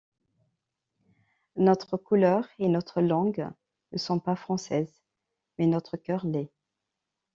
Notre couleur et notre langue ne sont pas françaises mais notre cœur l’est.